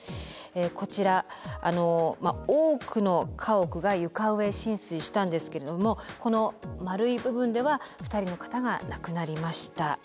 こちら多くの家屋が床上浸水したんですけれどもこの丸い部分では２人の方が亡くなりました。